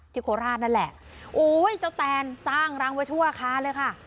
โคราชนั่นแหละโอ้ยเจ้าแตนสร้างรังไว้ทั่วอาคารเลยค่ะ